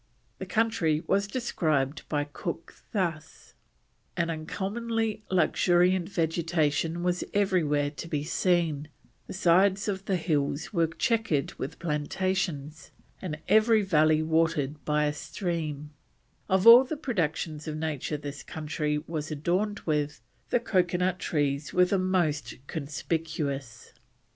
The country was described by Cook thus: "an uncommonly luxuriant vegetation was everywhere to be seen; the sides of the hills were chequered with plantations; and every valley watered by a stream; of all the productions of nature this country was adorned with, the coconut trees were the most conspicuous."